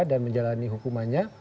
dan menjalani hukumannya